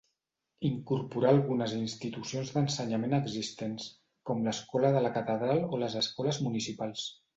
Incorporà algunes institucions d'ensenyament existents, com l'escola de la Catedral o les escoles municipals.